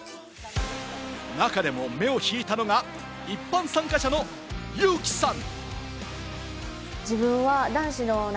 中でも目を引いたのが、一般参加者のユウキさん。